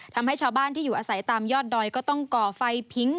ทำให้ชาวบ้านที่อยู่อาศัยตามยอดดอยก็ต้องก่อไฟพิ้ง